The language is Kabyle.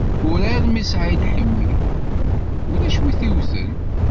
Urar n Messaɛd Ḥimi, ulac win i t-yewten.